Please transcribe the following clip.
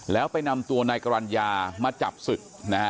แล้วไปนำตัวนายกรรณญามาจับศึกนะฮะ